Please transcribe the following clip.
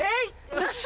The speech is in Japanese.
よし！